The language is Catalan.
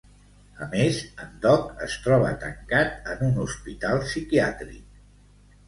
A més, en Doc es troba tancat en un hospital psiquiàtric.